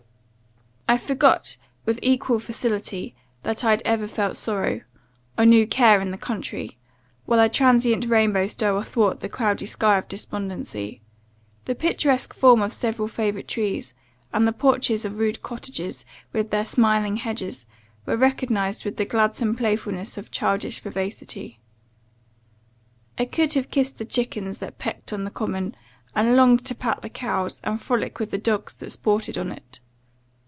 I forgot, with equal facility, that I ever felt sorrow, or knew care in the country; while a transient rainbow stole athwart the cloudy sky of despondency. The picturesque form of several favourite trees, and the porches of rude cottages, with their smiling hedges, were recognized with the gladsome playfulness of childish vivacity. I could have kissed the chickens that pecked on the common; and longed to pat the cows, and frolic with the dogs that sported on it.